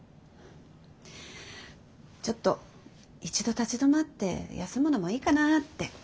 ちょっと一度立ち止まって休むのもいいかなって。